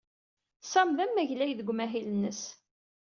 Sam d amaglay deg umahil-nnes.